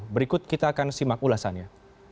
berikut kita akan simak ulasannya